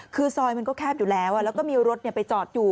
คือซอยมันก็แคบอยู่แล้วแล้วก็มีรถไปจอดอยู่